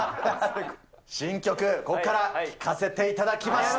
新曲、こっから、聴かせていただきました。